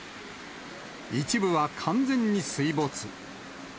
一部は完全に水没。